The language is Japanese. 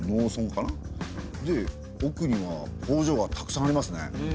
でおくには工場がたくさんありますね。